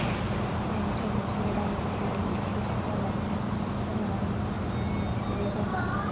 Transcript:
列宁圈子是意大利的一个已不存在的共产主义政党。